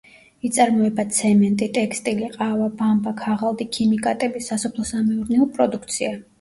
იწარმოება ცემენტი, ტექსტილი, ყავა, ბამბა, ქაღალდი, ქიმიკატები, სასოფლო-სამეურნეო პროდუქცია.